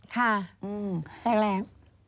ค่ะแรก